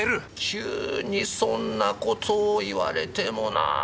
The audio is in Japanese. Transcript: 急にそんな事を言われてもな。